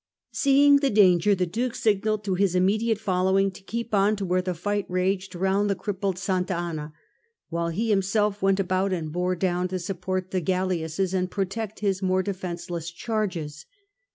Seeing the danger the Duke signalled to his immediate following to keep on to where the fight raged round the crippled Sarda Anna, while he himself went about and bore down to support the galleasses and protect his more defenceless charges.